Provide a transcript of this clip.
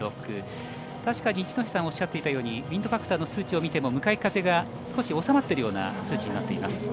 確かに一戸さんがおっしゃっていたようにウィンドファクターの数値を見ても少し風が収まっているような数値になっています。